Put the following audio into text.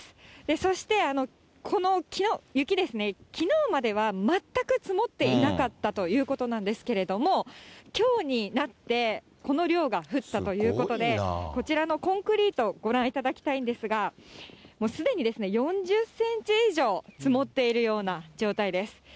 そしてこの雪ですね、きのうまでは全く積もっていなかったということなんですけれども、きょうになって、この量が降ったということで、こちらのコンクリートご覧いただきたいんですが、すでに４０センチ以上積もっているような状態です。